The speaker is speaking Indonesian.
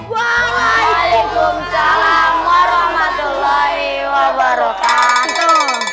waalaikumsalam warahmatullahi wabarakatuh